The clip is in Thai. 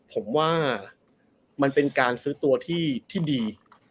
ผมว่ามันเป็นการซื้อตัวที่ดี